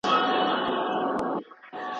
مشران د کډوالو په قانون کي څه بدلوي؟